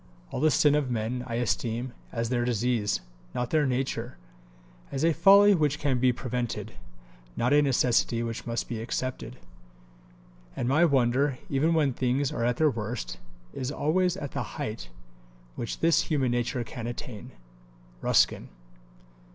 All the sin of men I esteem as their disease, not their nature; as a folly which can be prevented, not a necessity which must be accepted. And my wonder, even when things are at their worst, is always at the height which this human nature can attain. RUSKIN.